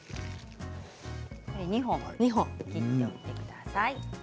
２本全部切っておいてください。